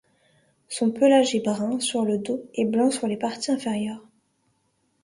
Son pelage est brun sur le dos et blanc sur les parties inférieures.